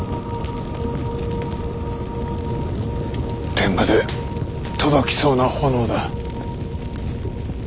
天まで届きそうな炎だ。